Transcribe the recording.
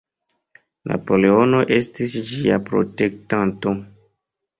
Napoleono estis ĝia "protektanto".